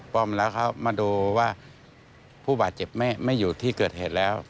ป้อมแล้วเขามาดูว่าผู้บาดเจ็บไม่อยู่ที่เกิดเหตุแล้ว